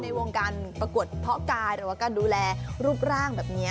ในวงการประกวดเพาะกายหรือว่าการดูแลรูปร่างแบบนี้